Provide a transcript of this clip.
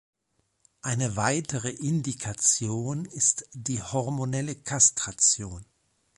Eine weitere Indikation ist die hormonelle Kastration.